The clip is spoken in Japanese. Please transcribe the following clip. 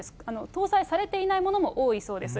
搭載されていないものも多いそうです。